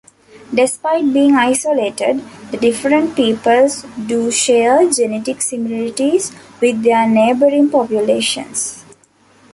Despite being isolated, the different peoples do share genetic similarities with their neighboring populations.